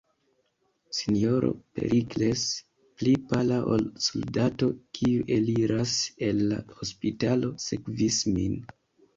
S-ro Perikles, pli pala ol soldato, kiu eliras el la hospitalo, sekvis nin.